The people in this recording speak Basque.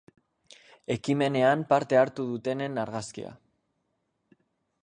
Ekimenean parte hartu dutenen argazkia.